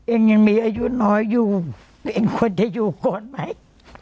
เองยังมีอายุน้อยอยู่ตัวเองควรจะอยู่ก่อนไหม